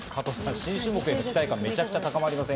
新種目への期待感、めちゃめちゃ高まりません？